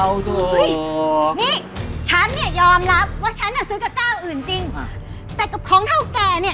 เอาเลยนี่ฉันเนี่ยยอมรับว่าฉันน่ะซื้อกับเจ้าอื่นจริงแต่กับของเท่าแก่เนี่ย